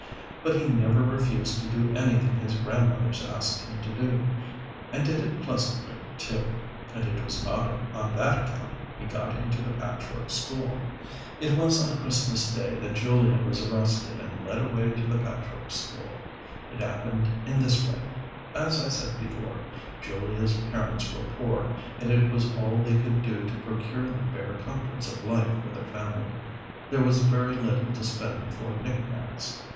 But he never refused to do anything his Grandmothers asked him to, and did it pleasantly, too; and it was not on that account he got into the Patchwork School. [Illustration: JULIA WAS ARRESTED ON CHRISTMAS DAY.] It was on Christmas day that Julia was arrested and led away to the Patchwork School. It happened in this way: As I said before, Julia's parents were poor, and it was all they could do to procure the bare comforts of life for their family; there was very little to spend for knickknacks.